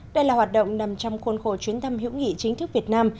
đây là hoạt động nằm trong khuôn khổ chuyến thăm hữu nghị chính thức việt nam